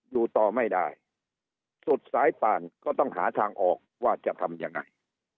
อยู่ต่อไม่ได้สุดสายป่านก็ต้องหาทางออกว่าจะทำยังไง